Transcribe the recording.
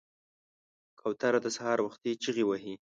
کوتره د سهار وختي چغې وهي.